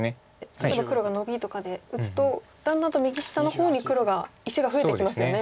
例えば黒がノビとかで打つとだんだんと右下の方に黒が石が増えてきますよね。